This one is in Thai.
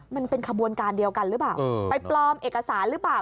มันเป็นขบวนการเดียวกันหรือเปล่าไปปลอมเอกสารหรือเปล่า